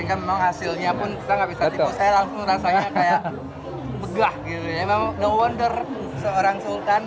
memang hasilnya pun saya langsung rasanya kayak begah gitu ya memang no wonder seorang sultan